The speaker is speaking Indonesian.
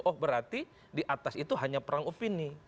oh berarti di atas itu hanya perang opini